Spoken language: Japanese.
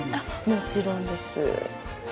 もちろんです。